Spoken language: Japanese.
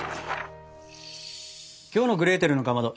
きょうの「グレーテルのかまど」